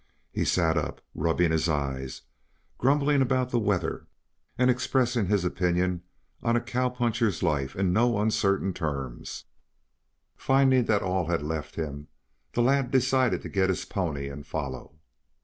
He sat up, rubbing his eyes, grumbling about the weather and expressing his opinion of a cowpuncher's life in no uncertain terms. Finding that all had left him, the lad decided to get his pony and follow.